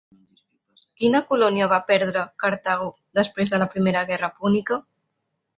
Quina colònia va perdre Cartago després de la Primera Guerra Púnica?